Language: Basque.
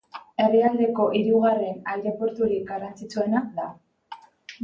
Herrialdeko hirugarren aireporturik garrantzitsuena da.